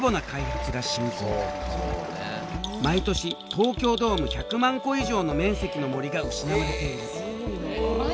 毎年東京ドーム１００万個以上の面積の森が失われている。